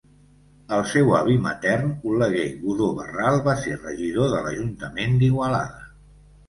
El seu avi matern, Oleguer Godó Barral, va ser regidor de l'Ajuntament d'Igualada.